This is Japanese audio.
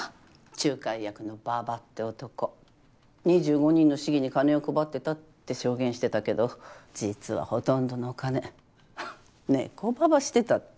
仲介役の馬場って男２５人の市議に金を配ってたって証言してたけど実はほとんどのお金ははっ猫ばばしてたって。